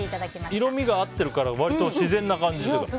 色味が合っているから自然な感じに。